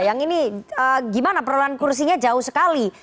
yang ini gimana perolahan kursinya jauh sekali